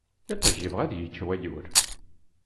Iṭij yebɣa ad t-yečč wayyur.